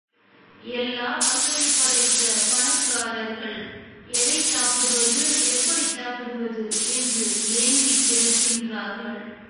எல்லா வசதி படைத்த பணக்காரர்கள் எதைச் சாப்பிடுவது, எப்படி சாப்பிடுவது என்று ஏங்கிக்கிடக்கின்றார்கள்.